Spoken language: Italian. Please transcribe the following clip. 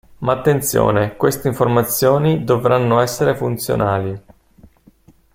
Ma attenzione, queste informazioni dovranno essere funzionali.